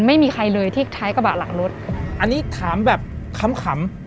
ไม่มีใครเลยที่ท้ายกระบะหลังรถอันนี้ถามแบบขำขำ